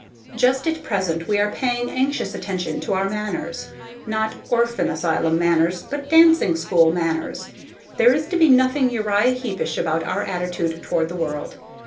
Just at present we are paying anxious attention to our manners not orphan asylum manners, but dancing school manners. There is to be nothing Uriah Heepish about our attitude toward the world.